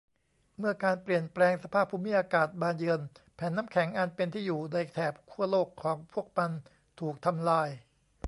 เมื่อการเปลี่ยนแปลงสภาพภูมิอากาศมาเยือน แผ่นน้ำแข็งอันเป็นที่อยู่ในแถบขั้วโลกของพวกมันถูกทำลาย